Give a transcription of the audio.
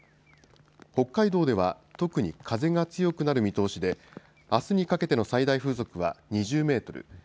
北海道では特に風が強くなる見通しであすにかけての最大風速は２０メートル